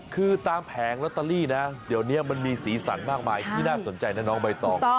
คือตามแผงลอตเตอรี่นะเดี๋ยวนี้มันมีสีสันมากมายที่น่าสนใจนะน้องใบตอง